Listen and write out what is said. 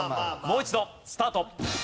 もう一度スタート。